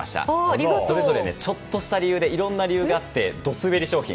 それぞれ、ちょっとした理由でいろんな理由があってドすべり商品。